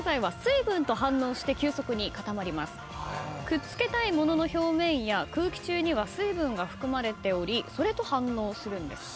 くっつけたいものの表面や空気中には水分が含まれておりそれと反応するんです。